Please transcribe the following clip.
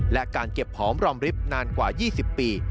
และการเก็บหอมรอมริบนานกว่า๒๐ปี